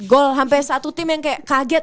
gol sampai satu tim yang kayak kaget